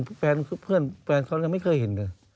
ผมก็ไม่เห็นเพื่อนเขาไม่เคยเห็น